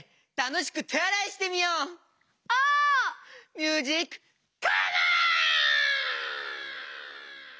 ミュージックカモン！